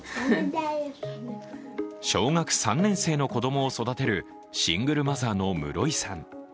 小学３年生の子供を育てるシングルマザーの室井さん。